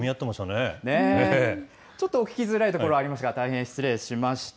ちょっと聞きづらいところありましたが、大変失礼しました。